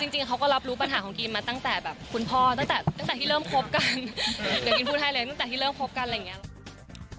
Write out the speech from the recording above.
จริงเขาก็รับรู้ปัญหาของกิมมาตั้งแต่แบบคุณพ่อตั้งแต่ตั้งแต่ที่เริ่มคบกันเดี๋ยวกินพูดให้เลยตั้งแต่ที่เริ่มคบกันอะไรอย่างนี้